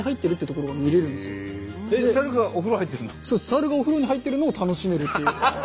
サルがお風呂に入ってるのを楽しめるっていう。